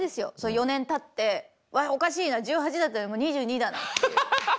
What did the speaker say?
４年たって「わあおかしいな１８だったのにもう２２だ」って。